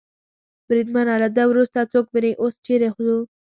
بریدمنه، له ده وروسته څوک مري؟ اوس چېرې ځو؟